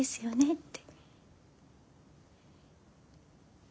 って。